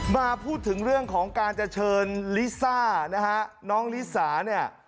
มาพูดถึงเรื่องของการจะเชิญลิซ่านะฮะน้องลิสาเนี่ย